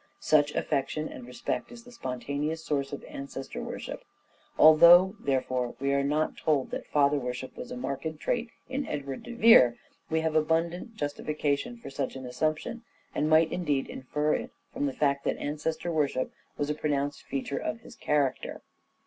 Such affection and respect is the spontaneous source of ancestor worship. Although, therefore, we are not told that father worship was a marked trait in Edward de Vere, we have abundant justification for such an assumption, and might indeed infer it from the fact that ancestor worship was a pronounced feature of his character.